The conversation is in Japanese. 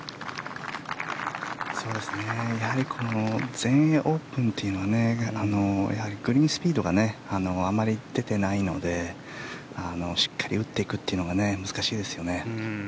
やはり全英オープンというのはグリーンスピードがあまり出てないのでしっかり打っていくのは難しいですよね。